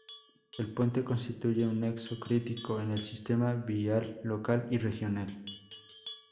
El puente constituye un nexo crítico en el sistema vial local y regional.